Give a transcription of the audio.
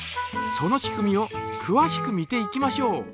その仕組みをくわしく見ていきましょう。